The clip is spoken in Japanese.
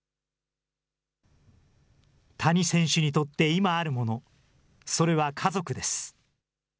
谷選手にとって今あるもの、それは、家族です。